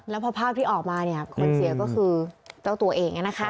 แล้วพอภาพที่ออกมาคนเสียก็คือเจ้าตัวเอง